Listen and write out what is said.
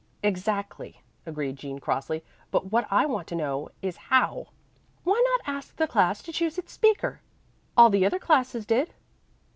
"Exactly," agreed Jean crossly, "but what I want to know is how." "Why not ask the class to choose its speaker? All the other classes did."